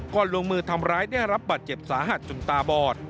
ลงมือทำร้ายได้รับบาดเจ็บสาหัสจนตาบอด